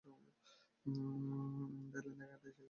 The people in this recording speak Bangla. ডেভলিন দেখা করতে এসেছেন, স্যার।